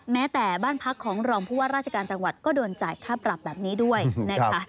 แม้แต่บ้านพักของรองผู้ว่าราชการจังหวัดก็โดนจ่ายค่าปรับแบบนี้ด้วยนะคะ